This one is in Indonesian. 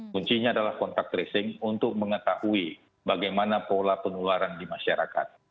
kuncinya adalah kontak tracing untuk mengetahui bagaimana pola penularan di masyarakat